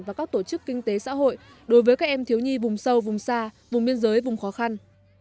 và các tổ chức kinh tế xã hội đối với các em thiếu nhi vùng sâu vùng xa vùng biên giới vùng khó khăn